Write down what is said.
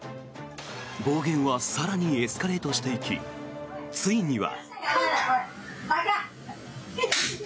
暴言は更にエスカレートしていきついには。